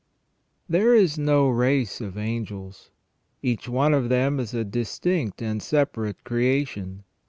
THERE is no race of angels ; each one of them is a distinct and separate creation.